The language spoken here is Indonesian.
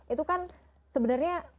itu kan sebenarnya